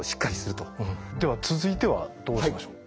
では続いてはどうしましょう？